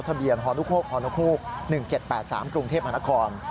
ทะเบียนฮฮฮ๑๗๘๓กรุงเทพฯหันคร